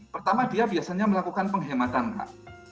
pertama dia biasanya melakukan penghematan pak